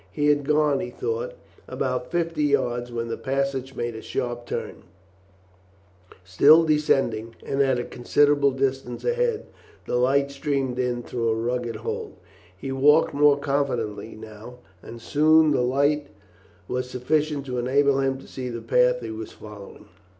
He had gone, he thought, about fifty yards when the passage made a sharp turn, still descending, and at a considerable distance ahead the light streamed in through a rugged hole. He walked more confidently now, and soon the light was sufficient to enable him to see the path he was following.